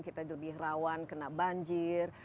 kita lebih rawan kena banjir